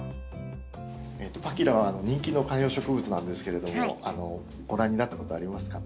パキラは人気の観葉植物なんですけれどもご覧になったことありますか？